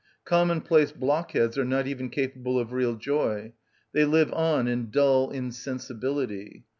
Commonplace blockheads are not even capable of real joy: they live on in dull insensibility.